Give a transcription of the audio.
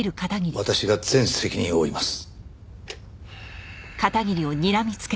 私が全責任を負います。